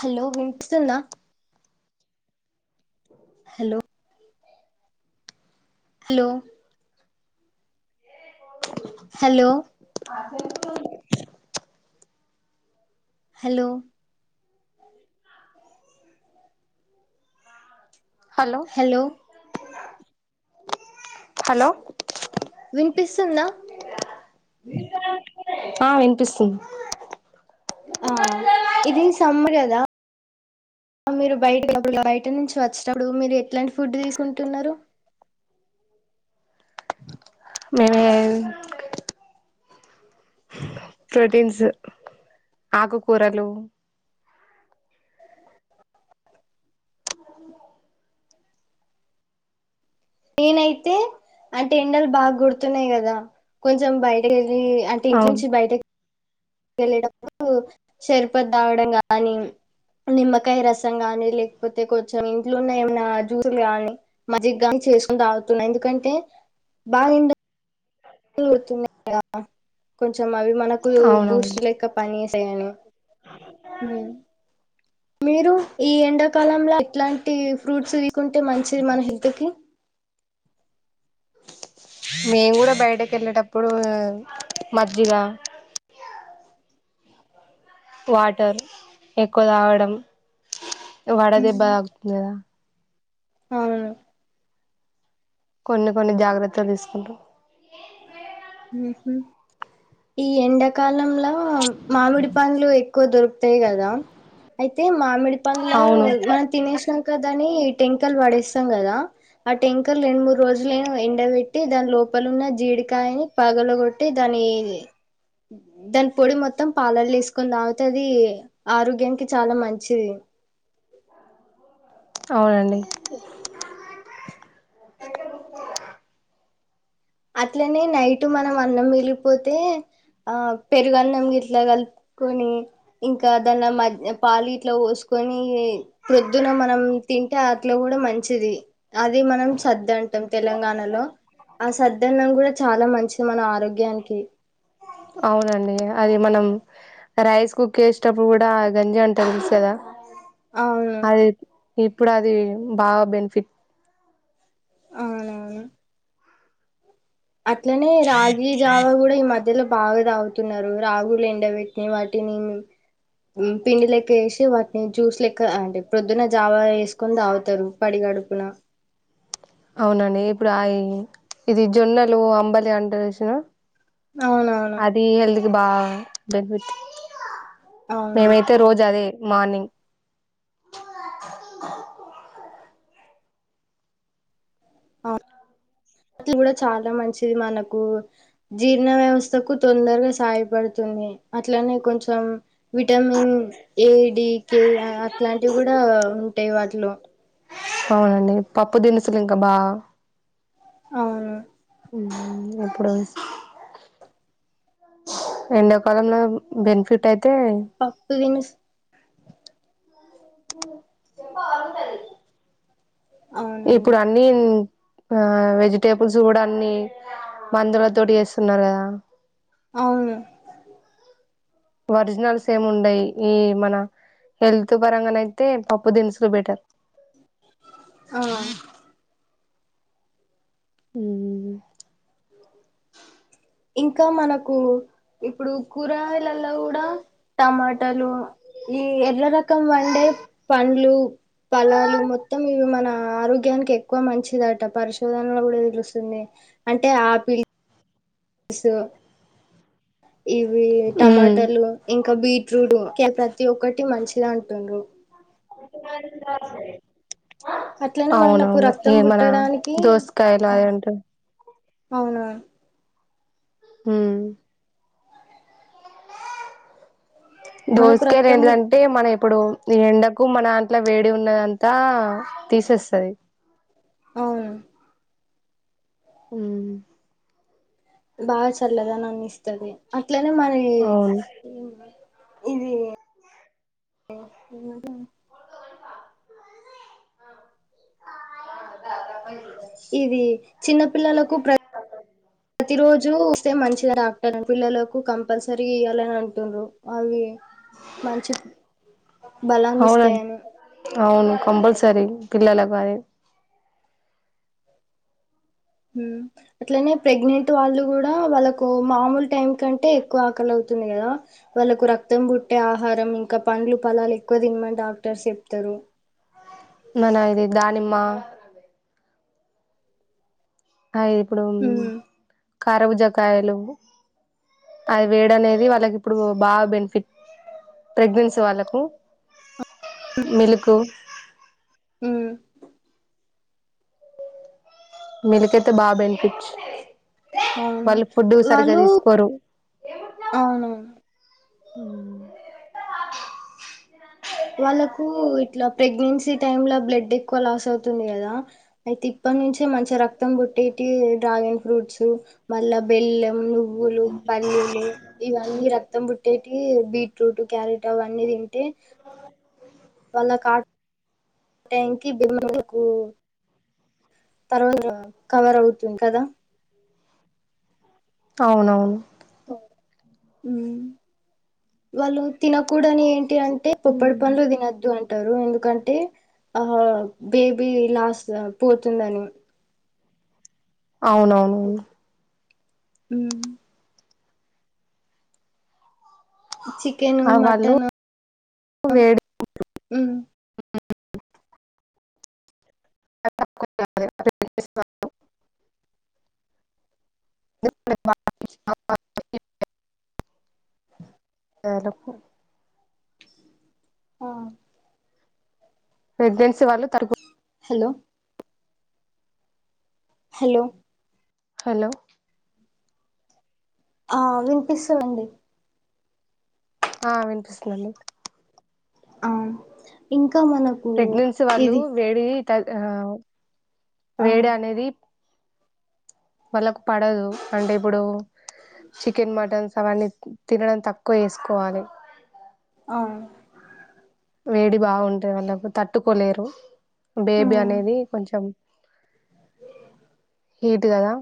Hello వినిపిస్తుంద. Hello. Hello. Hello. అదే. Hello. Hello. Hello. వినిపిస్తుందా. ఆహ్ వినిపిస్తుంది. ఆహ్ ఇది సమ్మర్ కదా. మీరు బయటకు వెళ్లినప్పుడు లేదా బయట నుంచి వచ్చినప్పుడు మీరు ఎట్లాంటి ఫుడ్ తీసుకుంటున్నారు. మేమేవ్ ప్రోటీన్స్ ఆకుకూరలు నేనైతే అంటే ఎండలు బాగా గొడుతున్నాయి కదా కొంచెం బయట రి అంటే ఇంట్లో అవును నుంచి బయట కెళ్ళేటప్పుడు షర్బత్ తాగడం గాని నిమ్మకాయ రసం గాని లేకపోతే కొంచెం ఇంట్లోన్న ఏమనా జ్యూస్లు గానీ మజ్జిగ గాని చేస్కొని తాగుతున్న ఎందుకంటే బాగా తున్నా గా కొంచం అవి మనకు అవునవును బూస్ట్ లెక్క పని చగాని మీరు ఈ ఎండాకాలంలో ఎట్లాంటి ఫ్రూట్స్ వీకుంటే మంచిది మన హెల్త్ కి మేము కూడా బయటికి వెళ్ళేటప్పుడు మజ్జిగా వాటర్ ఎక్కువ తాగడం వడ దెబ్బ తాకుతుంది కదా అవును కొన్ని కొన్ని జాగ్రత్తలు తీసుకుంటాం ఈ ఎండకాలంలో మామిడి పండ్లు ఎక్కువ దొరుకుతాయి కదా అయితే మామిడి పండ్ల అవును మనం తినేసినంక దాని టెంకలు పడేస్తాం కదా ఆ ట్యాంకలు రెండు మూడు రోజులు ఎండబెట్టి దాని లోపలున్న జీడికాయని పగలు కొట్టి దానీ దాని పొడి మొత్తం పాలల్లో వేసుకొని తాగితే అది ఆరోగ్యానికి చాలా మంచిది అవునండి అట్లనే నైట్ మనం అన్నం మిగిలిపోతే ఆ పెరుగు అన్నం గిట్ల గల్ప్ కొని ఇంకా దాన మద్య పాలి ఇట్లా పోసుకొని ప్రొద్దున మనం తింటే అట్ల కూడా మంచిది అది మనం సర్ద్దంటాం తెలంగాణలో ఆ సద్దన్నం కూడా చాలా మంచి ది మన ఆరోగ్యానికి అవునండి అది మనం రైస్ కుక్ చేసేటప్పుడు కూడా గంజి అంటం చూశారా అవును ఇప్పుడు అది బాగా బెనిఫిట్ అవునవును అట్లనే రాగి జావా కూడా ఈ మధ్ పెద్దలు బాగా తాగుతున్నారు రాగులు ఎండబెట్టి వాటిని పిండి లెక్క వేసి వాటిని జ్యూస్ లెక్క అంటే ప్రొద్దున జావా వేసుకొని తాగుతారు పడిగా గడుపునా అవునండి ఇప్పుడు ఆ ఇ ఇది జొన్నలు అంబలి అంటారుసిన అవునవును అది హెల్త్కి బా బెనిఫిట్ అవును మేమైతే రోజు అదే మార్నింగ్ ఆ అది కూడా చాలా మంచిది మనకు జీర్ణ వ్యవస్థకు తొందరగా సహాయపడుతు తుంది అట్లనే కొంచం వి విటమిన్ ఏ డి కె ఆ అట్లాంటివి కూడా ఉంటాయి వాటిలో అవునండి పప్పు దినుసులు ఇంకా బా అవును ఊ ఎప్పుడు ఎండకాలంలో బెనిఫిట్ యిత్ పప్పు తినుస్ చెప్ప అంటది అవునండి ఇప్పుడు అన్నీ ఆ వెజిటేబుల్స్ కూడా అన్నిీ మందుల తోటి చేస్తున్నారు కదా అవును ఒరిజినల్స్ ఏమి ఉండయి ఈ మన హేళ్తు పరంగానయితే పప్పు దినుసులు బెటర్ ఆ మ్ అ ఇంకా మనకు ఇప్పుడు కూరగాయలల్ల కూడా టమాటాలు ఈ ఎర్ర రకం పండే పండ్లు ఫలాలు మొత్తం ఇవి మన ఆరోగ్యానికి ఎక్కువ మంచిదట పరిశోధనలో కూడా తెలుస్తుంది అంటే ఆపిల్ ల్స్ ఇవి ఉమ్ టమాటాలు ఇం ఇంకా బీట్రూట్ ప్రతి ఒక్కటి మంచిదంటుండ్రు అ అట్లనే మనకు అవునవును రక్తం ఏమనా పుట్టడానికి దోసకాయలు అదంటే అవునా హుమ్ మనకు రక్తం పుట్ దోసకయలేంటిదంటే మన ఎప్ ప్పుడు ఈ ఎండకు మనదంట్ల వేడిగ ఉన్నదంతా తీసేస్తది అవును మ్ బాగా చల్లదన్నిస్తది అట్లనే మరి అవును ఇది ద ప ఇది చిన్నపిల్లలకు ప్ర తి రోజు ఇస్తే మంచిది డాక్టర్ పిల్లలకు కంపల్సరీ ఇయ్యాలని అంటుంర్రు అవి మంచి బలాన్ని ఇస్తాయేమో కంపల్సీ పిల్లలకు అది మ్ అట్లనే ప్రెగ్నెంట్ వాళ్ళు కూడా వాళ్ళకు మామూలు టైం కంటే ఎక్కువ ఆకలవ్ తుంది కదా వాళ్ళలకు రక్తం పుట్టే ఆహారం ఇంకా పండ్లు పలాలు ఎక్కువ తినమని డాక్టర్స్ చెప్తారు మన ఇది దానిమ్మ అ ఇప్పుడు ఉమ్ కారుబుజకాయలు అది వేడి అనేది వాళ్ళకి ఇప్పుడు బాగా బెనిఫిట్ ప్రెగ్నెన్సీ వాళ్ళకు మిల్క్ మ్ మిల్క్ కైతే బాబెనిఫిట్ అవును వాళ్ళు ఫుడ్ సరిగ్గా వాళ్ళు తీసుకోరు అవునవును మ్ వాళ్ళకు ఇట్లా ప్రెగ్నెన్సీ టైమ్ ల బ్లడ్ ఎక్కువ లాస్ అవుతుంది కదా అయితే ఇప్పటి నుంచే మంచిగ రక్తం పుట్టి టీయు డ్రాగన్ ఫ్రూట్స్ మళ్ళా బెల్లం నువ్ వ్వులు, పల్లీలు ఇవన్ని రక్తం బుట్ టెటీవి బీట్రూటు, క్యారెట్ అవన్నీ తింటే, వాళ్లకా ట్యాంకి బికు తర్వాత కవర్ అవుతుంది కదా? అవునవును. మ్ వాళ్ళు తినకూడనీ టి అంటే పొప్పడి పండ్లు తినొద్దు అన్ అంటారు ఎందుకంటే, ఆ బేబీ లాస్ పోతుందని. అవునవునన్ మ్ చికెను ఆ వాళ్ళు మటను మ్ ఓయూ [unintelligible] [unintelligible] యాలకు ఆ ప్రెగ్నెన్సీ వాళ్ళు తరుకు హెలో హెలో హలో ఆ వినిపిస్తుందండి. ఆ వినిపిస్తుందండి. ఆ ఇంకా మనకు ఇది, తల్ ఆ ఆ వేడ అనేది, వాళ్ళకు పడదు. అంటే ఇప్పుడు, చికెన్, మటన్స్ అవన్నీ తినడం తక్కువ చేసుకోవాలి. అవును. వేడి బాగుంటది వాళ్ళకు తట్టుకోలేరు. ఉమ్ బేబీ అనేది కొంచెం హీట్ కదా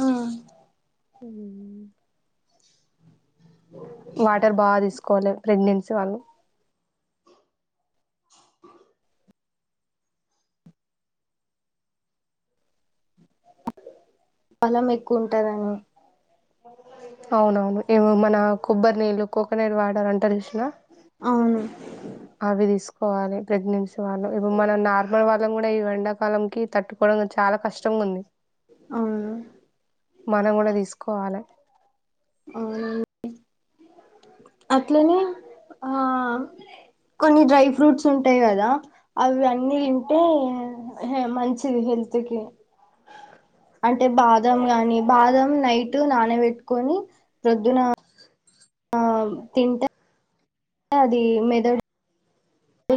ఆ మ్ వాటర్ బా తీసుకోవాలి ప్రెగ్నెన్సీ వాళ్ళు. బలం ఎక్కువ ఉంటదేమో, అవునవును. ఇవో మన కొబ్బరి నీళ్ళు కోకోనట్ వాటర్ అంటరు చూసినా? అవును. అవి తీసుకోవాలి ప్రెగ్నెన్సీ వాళ్ళు. ఇప్పుడు మనం నార్మల్ వాళ్ళం కూడ ఈ ఎండాకాలం కి తట్టు కోడం చాలా కష్టంగుంది. అవును మనం కూడ తీసుకోవాలే. అవున అట్లనే ఆ కొన్ని డ్రై ఫ్రూట్స్ ఉంటాయి కదా, అవి అన్నీ తింటే, హే మంచిది హె ల్త్ కి. అంటే బాదం గాని, బాదం నైట్ నానబెట్టుకొని ప్రొద్దున ఆ తింటే, అది మెదడు,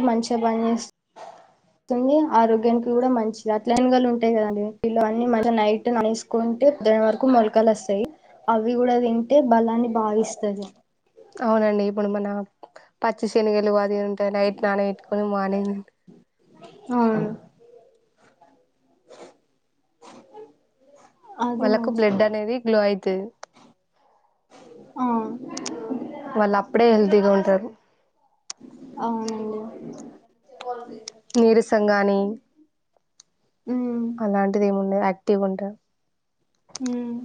మంచిగ పని చేస్ తుంది ఆరోగ్యానికి కూడా మంచిది అట్లనే శనగలు ఉంటాయి కదండి కిలో అన్ని మంచిగా నైట్ నానేసుకుంటే ఉదయం వరకు మొలకలొస్తయి అవి గూడా తింటే బలాన్ని బాగిస్తది అవునండి ఇప్పుడు మన పచ్చి శనగలు ఉంటాయ్ నైట్ నానబెట్టుకొని మార్నింగ్ దింటె అవును అది వాళ్ళకు మంచిది బ్లడ్ అనేది గ్లో అయితది ఆ వాళ్ళు అప్పుడే హెల్తీగా ఉంటరు. అవునండి నీరసంగానీ ఉమ్ అలాంటిది ఏముండదు యాక్టివ్ గుంటరు. ఉమ్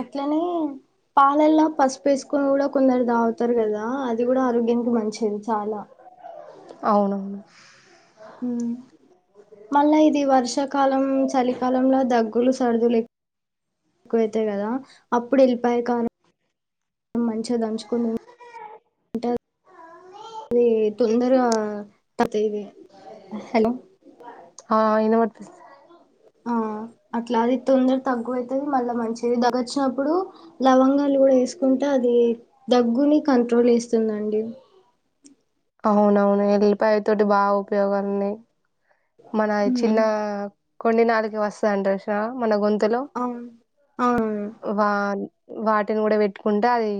అట్లనే పాలల్లా పసుపు ఏసుకొని కూడా కొందరు దాగుతారు గదా అది గూడా ఆరోగ్యానికి మంచిది చాలా అవునవును ఉమ్ మళ్ళా ఇది వర్షాకాలం చలికాలంల దగ్గులు సర్దులు ఎక్కువైతయ్ గదా అప్పుడు ఎళ్ళిపాయ కారం మంచిగా దంచుకొని తింటే ఇది తొందర తగ్గుత ఇవి హలో ఆ [unintelligible] ఆ అట్లా అది తొందర తగ్గువైతది మళ్ళా మంచిది దగ్గొచ్చినప్పుడు లవంగాలు గూడా వేసుకుంటే అది దగ్గుని కంట్రోల్ ఇస్తుందండి అవునవును ఎల్లిపాయ తోటి బాగా ఉపయోగాలు ఉన్నయ్ మన హ్మ్ చిన్న కొండి నాలుక వాస్తది అంటరు జూసినవా మన గొం తులో అవును అవును వా వాటిని గూడా పెట్టుకుంటే అది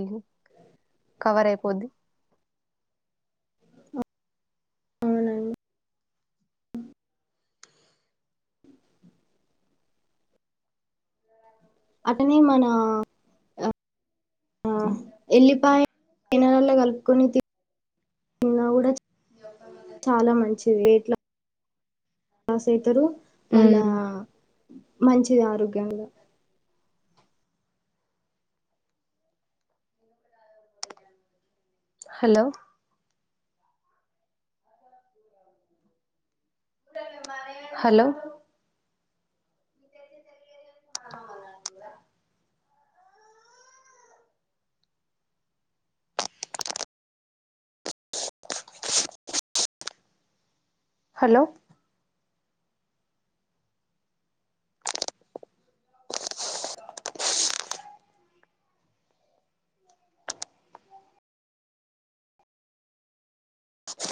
కవర్ అయిపోద్ది ఉమ్ అట్టనే మన ఆ ఎల్లిపాయ అన్నంలో కలుపుకొని తిన్నా గూడా చాలా మంచిది వెయిట్ లాస్ అయితరు మళ్ళా ఉమ్ మంచిది ఆరోగ్యం గూడా హలో హలో [unintelligible] హలో